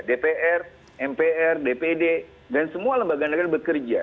dpr mpr dpd dan semua lembaga negara bekerja